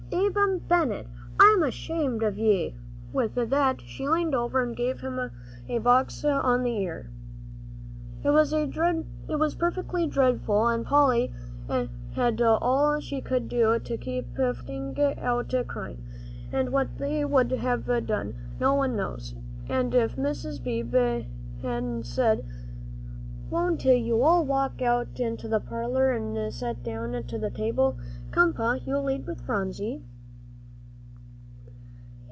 Ab'm Bennett, I'm ashamed of ye." With that she leaned over and gave him a box on the ear. It was perfectly dreadful, and Polly had all she could do to keep from bursting out crying. And what they would have done, no one knows, if Mrs. Beebe hadn't said, "Won't you all walk out into the parlor an' set down to the table? Come, Pa, you lead with Phronsie."